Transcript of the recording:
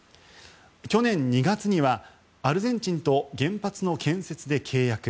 去年２月にはアルゼンチンと原発の建設で契約。